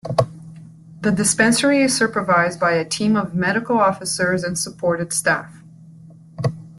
The dispensary is supervised by a team of Medical Officers and supported staff.